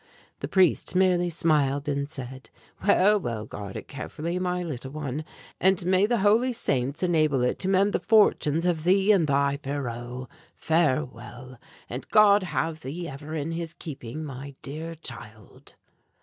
The priest merely smiled and said: "Well, well, guard it carefully, my little one; and may the Holy Saints enable it to mend the fortunes of thee and thy Pierrot! Farewell; and God have thee ever in his keeping, my dear child!"